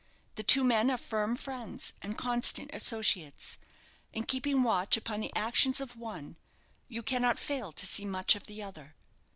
The two men are firm friends and constant associates. In keeping watch upon the actions of one, you cannot fail to see much of the other.